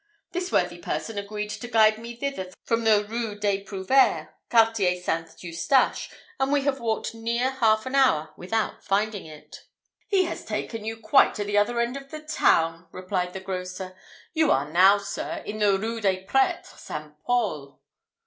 This worthy person agreed to guide me thither from the Rue des Prouvaires, quartier St. Eustache, and we have walked near half an hour without finding it." "He has taken you quite to the other end of the town," replied the grocer. "You are now, sir, in the Rue des Prêtres St. Paul."